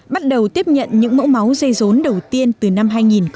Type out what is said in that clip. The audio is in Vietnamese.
bắt đầu tiếp nhận những mẫu máu dây dốn đầu tiên từ năm hai nghìn một mươi bốn